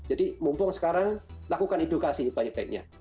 jadi mumpung sekarang lakukan edukasi baik baiknya